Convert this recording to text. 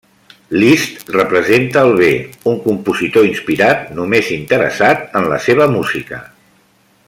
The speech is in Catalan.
Liszt representa el bé: un compositor inspirat, només interessat en la seva música.